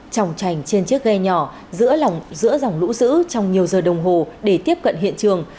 tròng trành trên chiếc ghe nhỏ giữa dòng lũ dữ trong nhiều giờ đồng hồ để tiếp cận hiện trường